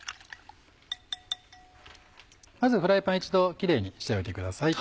まずフライパン一度キレイにしておいてください。